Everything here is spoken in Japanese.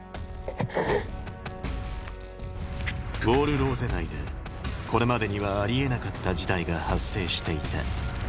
ウォール・ローゼ内でこれまでにはありえなかった事態が発生していた